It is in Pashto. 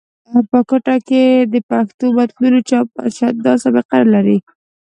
په کوټه کښي د پښتو متونو چاپ چندان سابقه نه لري.